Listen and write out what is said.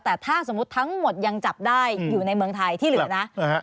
แต่ถ้าสมมุติทั้งหมดยังจับได้อยู่ในเมืองไทยที่เหลือนะ